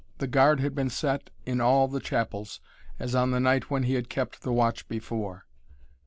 The guard had been set in all the chapels, as on the night when he had kept the watch before.